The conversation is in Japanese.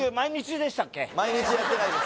毎日やってないです